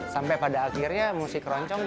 sampai pada akhirnya musik keroncong